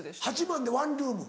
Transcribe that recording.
８万でワンルーム？